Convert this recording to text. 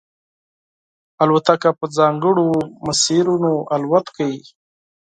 طیاره په ځانګړو مسیرونو الوت کوي.